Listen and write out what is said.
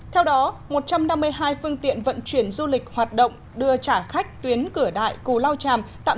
theo đó một trăm năm mươi hai phương tiện vận chuyển du lịch hoạt động đưa trả khách tuyến cửa đại cù lao tràm